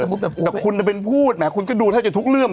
แต่คุณก็ห่วงเป็นพูดนะคุณก็ดูทั้งแต่ทุกเรื่องกัน